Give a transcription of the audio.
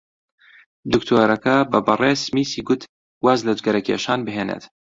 دکتۆرەکە بە بەڕێز سمیسی گوت واز لە جگەرەکێشان بهێنێت.